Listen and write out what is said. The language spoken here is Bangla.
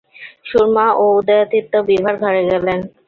সুরমা ও উদয়াদিত্য বিভার ঘরে গেলেন।